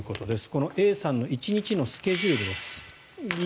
このＡさんの１日のスケジュールです。